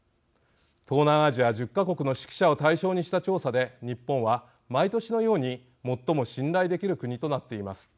東南アジア１０か国の識者を対象にした調査で日本は、毎年のように最も信頼できる国となっています。